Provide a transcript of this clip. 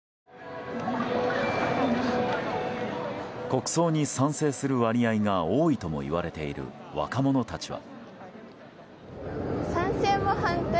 国葬に賛成する割合が多いともいわれている若者たちは。